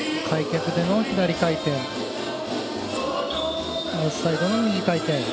開脚での左回転。